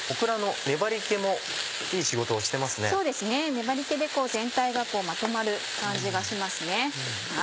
粘り気で全体がまとまる感じがしますね。